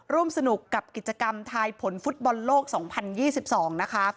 ร่วมสนุกกับกิจกรรมทายผลฟุตบอลโลก๒๐๒๒นะคะ